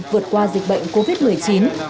vượt qua dịch bệnh covid một mươi chín